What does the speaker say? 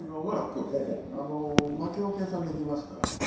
負けを計算できますから。